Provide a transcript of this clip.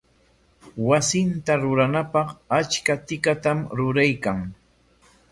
Wasinta rurananpaq achka tikatam ruraykan.